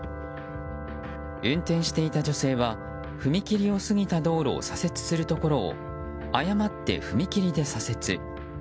運転していた女性は踏切を過ぎた道路を左折するところを誤って踏切で左折。